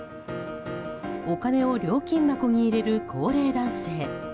お金を料金箱に入れる高齢男性。